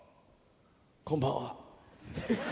こんばんは。